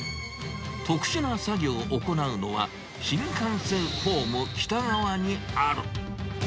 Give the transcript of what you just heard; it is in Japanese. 特殊な作業を行うのは、新幹線ホーム北側にある。